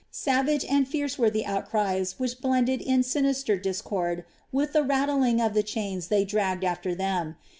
Savage and fierce were the outcries which blended in sinister discord with the rattling of the chains they dragged after them.